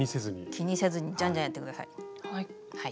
気にせずにじゃんじゃんやって下さい。